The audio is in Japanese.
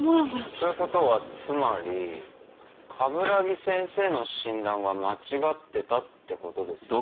ということはつまり鏑木先生の診断は間違ってたってことですよね。